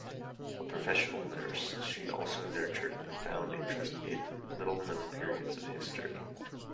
A professional nurse, she also nurtured a profound interest in little-known periods of history.